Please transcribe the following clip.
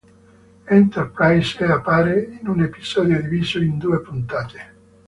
Enterprise e appare in un episodio diviso in due puntate.